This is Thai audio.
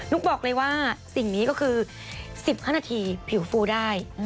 บอกเลยว่าสิ่งนี้ก็คือ๑๕นาทีผิวฟูได้